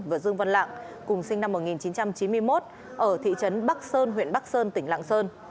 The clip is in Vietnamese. và dương văn lạng cùng sinh năm một nghìn chín trăm chín mươi một ở thị trấn bắc sơn huyện bắc sơn tỉnh lạng sơn